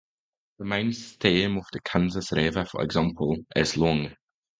The main stem of the Kansas River, for example, is long.